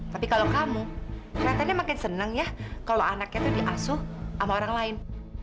tapi kalau kamu kelihatannya makin seneng ya kalau anaknya itu diasuh sama orang lain